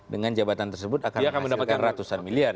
dengan jabatan tersebut akan mendapatkan ratusan miliar